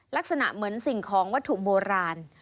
ลักษณะเหมือนสิ่งของวัตถุโบราณ